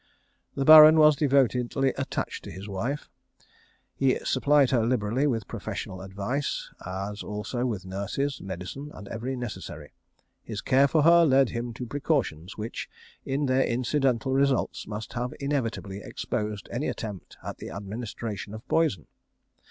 The Baron was devotedly attached to his wife: he supplied her liberally with professional advice, as also with nurses, medicine, and every necessary; his care for her led him to precautions which, in their incidental results, must have inevitably exposed any attempt at the administration of poison.